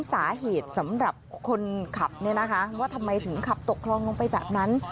สาเหตุสำหรับคนขับว่าทำไมถึงขับตกคลองลงไปแบบนั้น